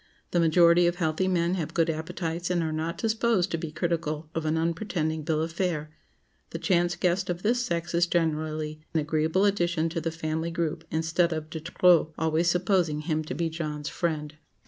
The majority of healthy men have good appetites and are not disposed to be critical of an unpretending bill of fare. The chance guest of this sex is generally an agreeable addition to the family group, instead of de trop—always supposing him to be John's friend.